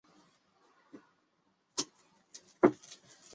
乡村基是一家中国大陆第一家在美国纽交所上市的餐饮企业。